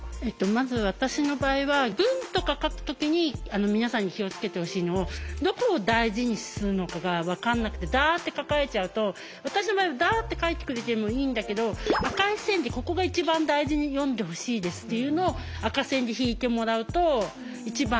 まず私の場合は文とか書くときに皆さんに気を付けてほしいのはどこを大事にするのかがわかんなくてダッて書かれちゃうと私の場合はダッて書いてくれてもいいんだけど赤い線でここが一番大事に読んでほしいですっていうのを赤線で引いてもらうと一番なんだなと。